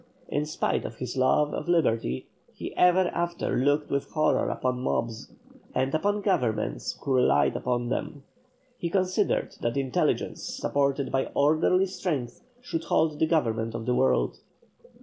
In spite of his love of liberty he ever after looked with horror upon mobs, and upon governments who relied upon them. He considered that intelligence supported by orderly strength should hold the government of the world.